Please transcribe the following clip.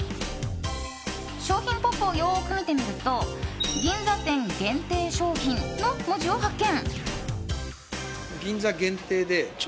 商品ポップをよく見てみると「銀座店限定商品」の文字を発見。